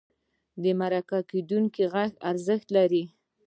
د مرکه کېدونکي غږ ارزښت لري.